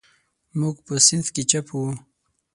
موږ په صنف کې چپ وو.